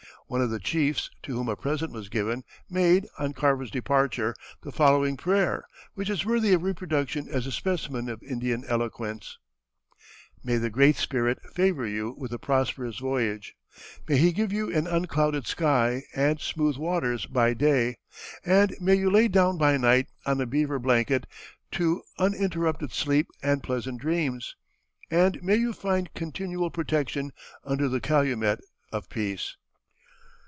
One of the chiefs, to whom a present was given, made, on Carver's departure, the following prayer, which is worthy of reproduction as a specimen of Indian eloquence: "May the Great Spirit favor you with a prosperous voyage; may He give you an unclouded sky and smooth waters by day, and may you lay down by night on a beaver blanket to uninterrupted sleep and pleasant dreams, and may you find continual protection under the calumet of peace."